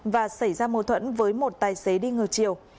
và xảy ra mâu thuẫn với một tài xế đi ngược chiều